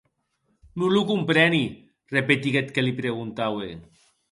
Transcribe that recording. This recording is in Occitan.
Non lo compreni, repetic eth que li preguntaue.